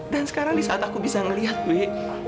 dan sekarang saat aku bisa melihat wi